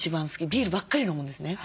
ビールばっかり飲むんですね。